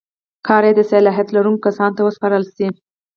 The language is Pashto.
کار یې د صلاحیت لرونکو کسانو ته وسپارل شي.